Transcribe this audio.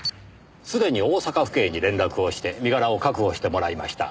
すでに大阪府警に連絡をして身柄を確保してもらいました。